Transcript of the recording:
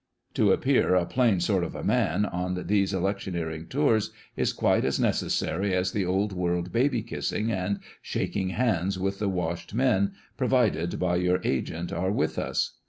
To appear a " plain sort of a man" on these electioneering tours is quite as necessary as the Old World baby kissing and shaking hands with the washed men provided by your agent are with us.